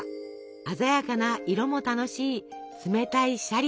鮮やかな色も楽しい冷たいシャリバ。